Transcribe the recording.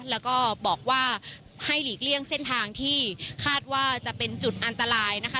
แล้วก็บอกว่าให้หลีกเลี่ยงเส้นทางที่คาดว่าจะเป็นจุดอันตรายนะคะ